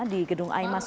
di gedung aimas